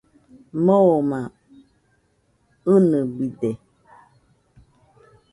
Moma inɨbide.